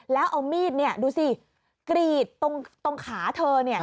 แล้วเอามีดดูสิกรีดตรงขาเธอ